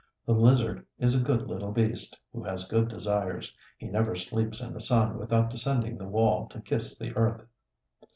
The lizard is a good little beast, who has good desires; he never sleeps in the sun without descending the wall to kiss the earth."